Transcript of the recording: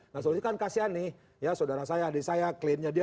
nah solusi kan kasihan nih ya saudara saya adik saya kliennya dia